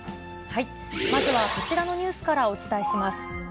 まずはこちらのニュースからお伝えします。